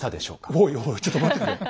おいおいちょっと待ってくれ。